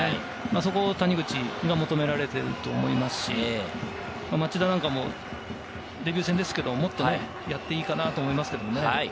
そこを谷口が求められていると思いますし、町田なんかも、デビュー戦ですけれども、もっとやっていいかなと思いますけれどもね。